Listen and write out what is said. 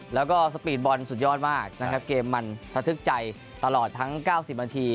แล้วก็สปีดบอลสุดยอดมากนะครับเกมมันระทึกใจตลอดทั้ง๙๐นาที